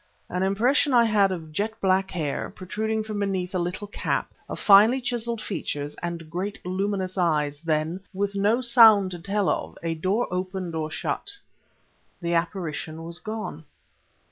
An impression I had of jet black hair, protruding from beneath a little cap, of finely chiseled features and great, luminous eyes, then, with no sound to tell of a door opened or shut, the apparition was gone.